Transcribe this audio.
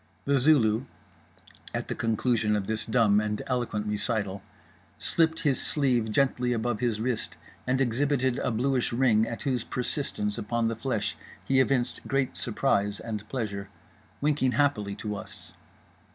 The Zulu (at the conclusion of this dumb and eloquent recital) slipped his sleeve gently above his wrist and exhibited a bluish ring, at whose persistence upon the flesh he evinced great surprise and pleasure, winking happily to us.